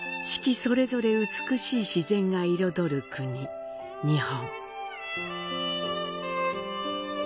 それぞれ美しい自然が彩る国、日本。